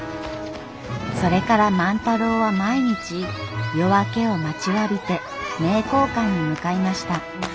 それから万太郎は毎日夜明けを待ちわびて名教館に向かいました。